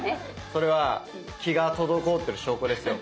それは「気」が滞ってる証拠ですよ。